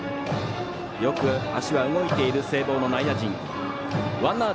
よく足は動いている聖望の内野陣。